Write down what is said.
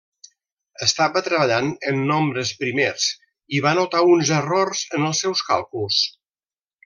Estava treballant en nombres primers i va notar uns errors en els seus càlculs.